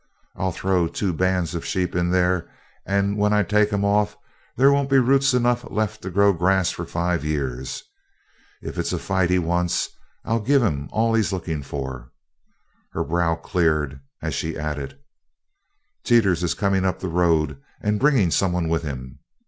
I'll throw two bands of sheep in there, and when I take 'em off there won't be roots enough left to grow grass for five years. If it's fight he wants, I'll give him all he's looking for." Her brow cleared as she added: "Teeters is coming up the road and bringing some one with him."